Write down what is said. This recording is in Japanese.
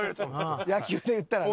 野球で言ったらね。